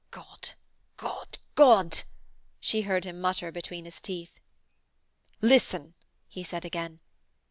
'God! God! God!' she heard him mutter between his teeth. 'Listen!' he said again.